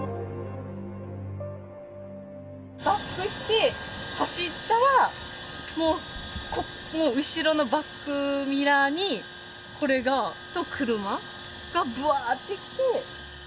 バックして走ったらもうもう後ろのバックミラーにこれがと車がブワーッてきて。